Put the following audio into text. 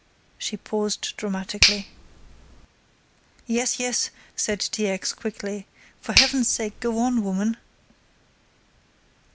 She paused dramatically. "Yes, yes," said T. X. quickly, "for heaven's sake go on, woman."